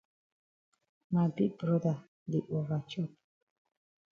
Ma big broda di over chop.